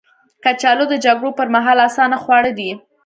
کچالو د جګړو پر مهال اسانه خواړه دي